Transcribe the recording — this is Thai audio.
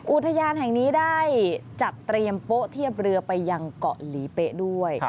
อุทยานแห่งนี้ได้จัดเตรียมโป๊ะเทียบเรือไปยังเกาะหลีเป๊ะด้วย